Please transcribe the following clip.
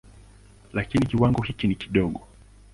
Lakini kiwango hiki ni kidogo.